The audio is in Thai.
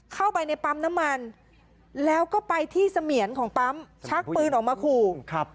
เข้าไปในปั๊มน้ำมันแล้วก็ไปที่เสมียนของปั๊มชักปืนออกมาขู่ครับ